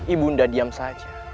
ibunda diam saja